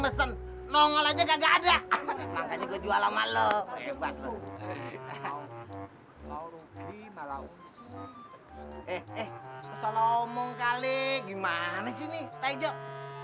mesen the wallah reggaeton yang maba nwajibq mayor kyegi memang